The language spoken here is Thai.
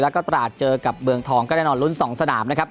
แล้วก็ตราดเจอกับเมืองทองก็แน่นอนลุ้น๒สนามนะครับ